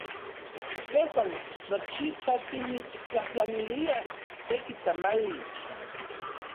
Tejuan nochipa timitstlajtlaniliaj seki tamali.